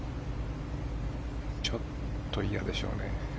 ちょっと嫌でしょうね。